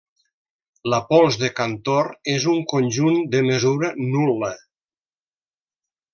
La pols de Cantor és un conjunt de mesura nul·la.